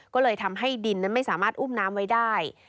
ก็เลยทำให้ดินนั้นไม่สามารถอุ้มน้ำไว้ได้